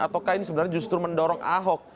ataukah ini sebenarnya justru mendorong ahok